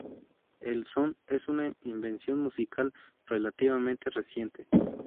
El son es una invención musical relativamente reciente.